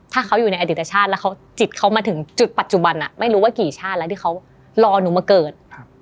ถ้าเขาอยู่ในอดีตชาติแล้วจิตเขามาถึงจุดปัจจุบันไม่รู้ว่ากี่ชาติแล้วที่เขารอหนูมาเกิด